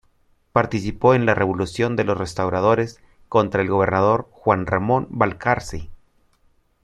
Participó en la Revolución de los Restauradores contra el gobernador Juan Ramón Balcarce.